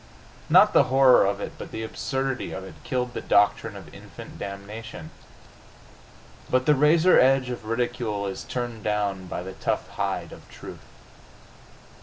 Not the horror of it but the absurdity of it killed the doctrine of infant damnation.... But the razor edge of ridicule is turned by the tough hide of truth.